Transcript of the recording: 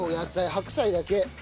白菜だけ。